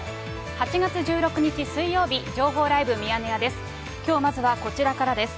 ８月１６日水曜日、情報ライブミヤネ屋です。